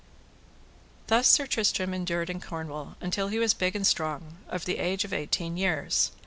Thus Sir Tristram endured in Cornwall until he was big and strong, of the age of eighteen years.